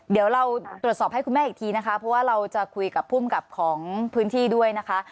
เดี๋ยวเราตรวจสอบให้คุณแม่อีกทีนะคะเพราะว่าเราจะคุยกับภูมิกับของพื้นที่ด้วยนะคะ